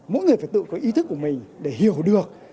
mỗi người phải tự có ý thức của mình để hiểu được